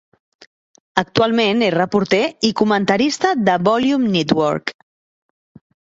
Actualment és reporter i comentarista de Volume Network.